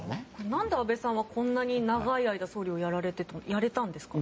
何で安倍さんはこんなに長い間、総理をやれたんですか？